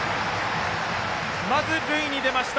まず塁に出ました。